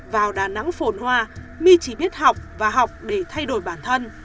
vào đà nẵng phồn hoa my chỉ biết học và học để thay đổi bản thân